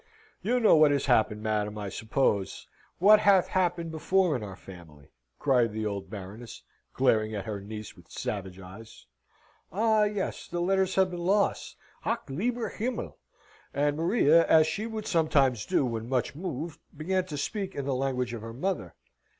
You know best what has happened, madam, I suppose. What hath happened before in our family?" cried the old Baroness, glaring at her niece with savage eyes. "Ah, yes! the letters have been lost ach lieber Himmel!" And Maria, as she would sometimes do, when much moved, began to speak in the language of her mother.